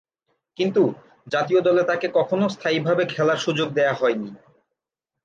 কিন্তু, জাতীয় দলে তাকে কখনো স্থায়ীভাবে খেলার সুযোগ দেয়া হয়নি।